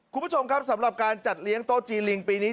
คุณผู้ชมครับสำหรับการจัดเลี้ยงโต๊ะจีนลิงปีนี้